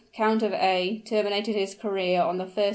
Count of A., terminated his career on the 1st.